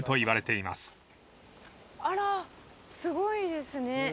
あらすごいですね。